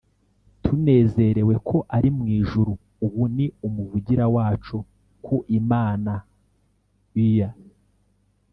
tunezerewe ko ari mu ijuru ubu, ni umuvugirawacu ku imana year